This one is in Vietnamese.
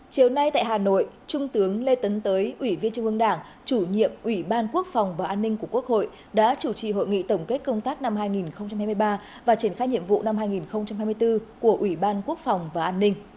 chiều nay tại hà nội trung tướng lê tấn tới ủy viên trung ương đảng chủ nhiệm ủy ban quốc phòng và an ninh của quốc hội đã chủ trì hội nghị tổng kết công tác năm hai nghìn hai mươi ba và triển khai nhiệm vụ năm hai nghìn hai mươi bốn của ủy ban quốc phòng và an ninh